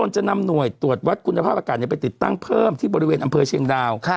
จะนำหน่วยตรวจวัดคุณภาพอากาศไปติดตั้งเพิ่มที่บริเวณอำเภอเชียงดาว